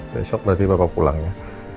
besok berarti bapak pulang ya